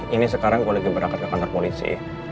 ini sekarang kalau lagi berangkat ke kantor polisi